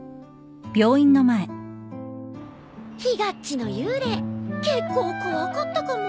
ひがっちの幽霊結構怖かったかも。